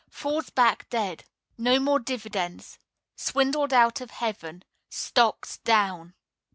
Falls back dead. No more dividends.... Swindled out of heaven. STOCKS DOWN!